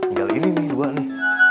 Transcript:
tinggal ini nih gue nih